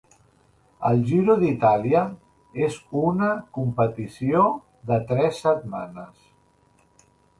El Giro d'Itàlia és una competició de tres setmanes.